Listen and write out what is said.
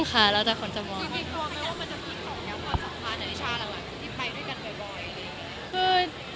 จริงว่ามันไม่ว่ามันจะไปสองแล้วก่อนสองคราวเฉยหรือใครเหลี้ยด้วยกันบ่อย